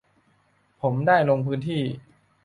ผมได้ลงพื้นที่